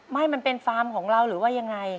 ไม่มันเป็นฟาร์มของเราหรือว่ายังไง